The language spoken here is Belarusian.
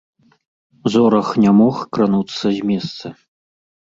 Зорах не мог крануцца з месца.